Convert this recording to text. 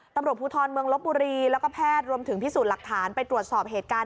ตำรวจภูทรเมืองลบบุรีแล้วก็แพทย์รวมถึงพิสูจน์หลักฐานไปตรวจสอบเหตุการณ์